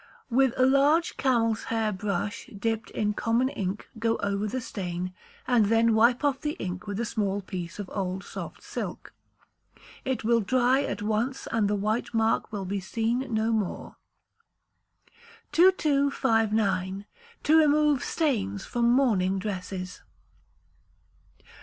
With a large camel's hair brush dipped in common ink go over the stain, and then wipe off the ink with a small piece of old soft silk. It will dry at once, and the white mark will be seen no more. 2259. To Remove Stains from Mourning Dresses.